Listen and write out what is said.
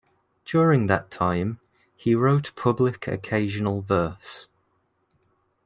During that time, he wrote public occasional verse.